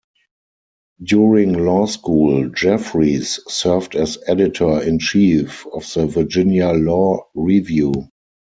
During law school, Jeffries served as editor-in-chief of the Virginia Law Review.